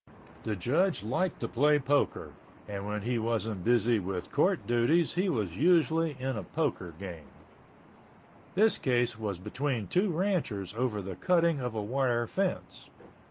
The judge liked to play poker and when he wasn't busy with court duties he was usually in a poker game. This case was between two ranchers over the cutting of a wire fence.